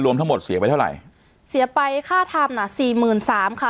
รวมทั้งหมดเสียไปเท่าไหร่เสียไปค่าทำน่ะสี่หมื่นสามค่ะ